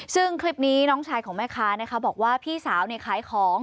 ซึ่งคลิปนี้น้องชายของแม่ค้านะคะบอกว่าพี่สาวขายของ